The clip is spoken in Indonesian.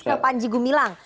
ke panji gumilang